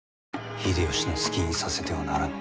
秀吉の好きにさせてはならぬ。